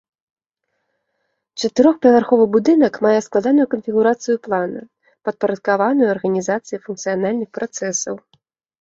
Чатырохпавярховы будынак мае складаную канфігурацыю плана, падпарадкаваную арганізацыі функцыянальных працэсаў.